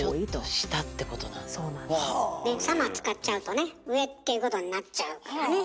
使っちゃうとね上っていうことになっちゃうからね。